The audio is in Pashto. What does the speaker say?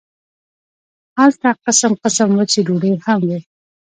هلته قسم قسم وچې ډوډۍ هم وې.